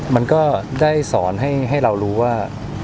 มันก็ได้สอนให้เรารู้ว่า